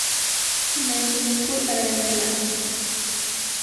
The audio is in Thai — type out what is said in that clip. ทำไมคุณไม่พูดอะไรเลยล่ะ